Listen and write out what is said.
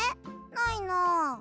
ないな。